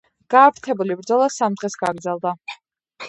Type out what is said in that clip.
გააფთრებული ბრძოლა სამ დღეს გაგრძელდა.